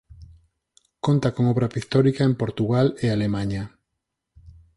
Conta con obra pictórica en Portugal e Alemaña.